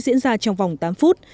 diễn ra trong vòng tám phút